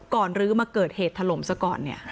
ก่อนรื้อมาเกิดเหตุถล่มซะก่อน